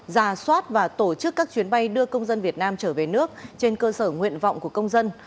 giả soát và tổ chức các chuyến bay đưa công dân việt nam trở về nước trên cơ sở nguyện vọng của công dân